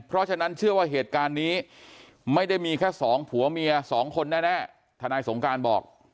เพราะว่านี่พวกมันออกไปแล้วมันเลยดูก็เห็นว่ารักฐานมันครับ